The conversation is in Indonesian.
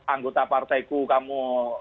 anggota partaiku kamu